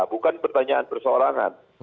bukan pertanyaan persoalangan